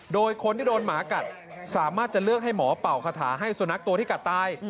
โดยคนที่โดนหมากัดสามารถจะเลือกให้หมอเป่าคาถาให้สุนัขตัวที่กัดตาย